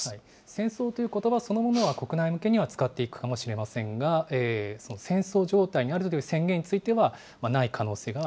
戦争ということばそのものは、国内向けには使っていくかもしれませんが、戦争状態にあるという宣言については、ない可能性が。